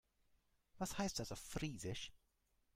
Was heißt das auf Friesisch?